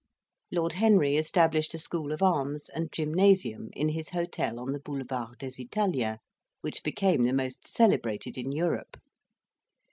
Lord Henry established a school of arms and gymnasium in his hotel on the Boulevard des Italiens, which became the most celebrated in Europe.